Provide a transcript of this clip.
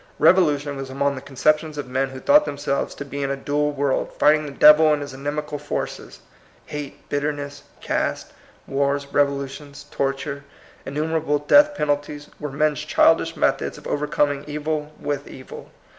Rev olution was among the conceptions of men who thought themselves to be in a dual world, fighting the Devil and his inimical forces. Hate, bitterness, caste, wars, rev olutions, torture, innumerable death pen alties, were men's childish methods of overcoming evil with evil.